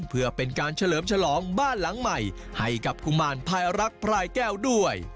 เพื่อเป็นการเฉลิมฉลองบ้านหลังใหม่ให้กับกุมารพลายรักพลายแก้วด้วย